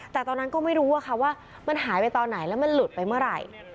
แต่ตอนนั้นก็ไม่รู้ว่ามันหายไปตอนไหนแล้วมันหลุดไปเมื่อไหร่